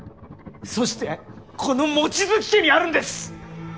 そしてこの望月家にあるんです！